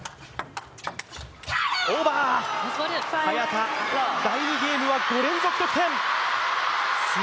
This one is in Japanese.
早田第２ゲームは５連続得点。